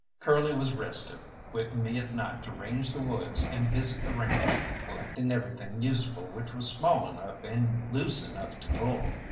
Curly was restive, quitting me at night to range the woods and visit the ranche, collecting everything useful which was small enough and loose enough to pull.